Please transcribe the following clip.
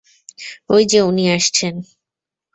ওই যে উনি আসছেন।